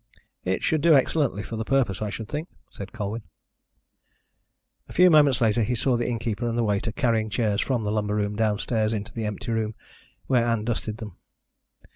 "It should do excellently for the purpose, I should think," said Colwyn. A few moments later he saw the innkeeper and the waiter carrying chairs from the lumber room downstairs into the empty room, where Ann dusted them.